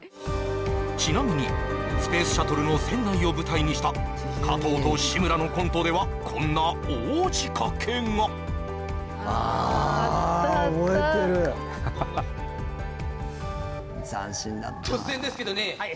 ちなみにスペースシャトルの船内を舞台にした加藤と志村のコントではこんな大仕掛けがあああったあった斬新だったな突然ですけどねはい